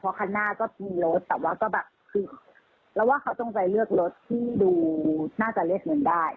เพราะข้างหน้าก็มีรถแต่ว่าก็แบบคือเราว่าเขาต้องใจเลือกรถที่ดูน่าจะเล็กหนึ่งได้